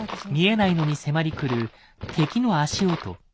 見えないのに迫り来る敵の足音。